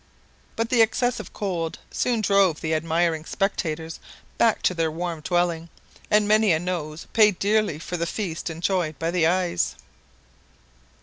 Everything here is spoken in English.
But the excessive cold soon drove the admiring spectators back to their warm dwelling, and many a nose paid dearly for the feast enjoyed by the eyes.